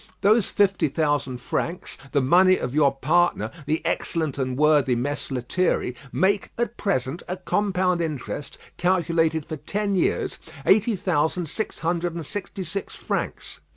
Those fifty thousand francs, the money of your partner, the excellent and worthy Mess Lethierry, make at present, at compound interest, calculated for ten years, eighty thousand six hundred and sixty six francs.